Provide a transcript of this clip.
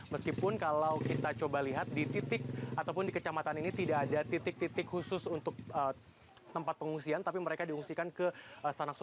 meskipun kalau kita coba lihat di titik ataupun di kecamatan ini tidak ada titik titik khusus untuk tempat pengungsian